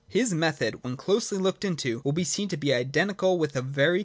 His method, when closely looked into, will be seen to be identical with a very VOL.